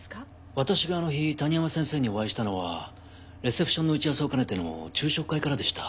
私があの日谷浜先生にお会いしたのはレセプションの打ち合わせを兼ねての昼食会からでした。